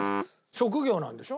職業なんでしょ？